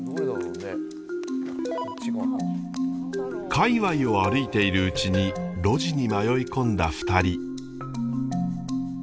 界わいを歩いているうちに路地に迷い込んだ２人。